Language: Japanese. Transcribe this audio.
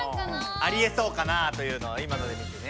ありえそうかなというのを今ので見てね